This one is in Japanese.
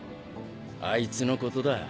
あいつのことだ。